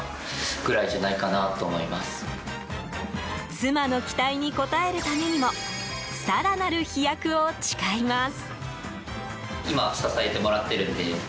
妻の期待に応えるためにも更なる飛躍を誓います。